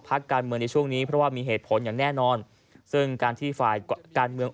พักการเมืองในช่วงนี้เพราะว่ามีเหตุผลอย่างแน่นอนซึ่งการที่ฝ่ายการเมือง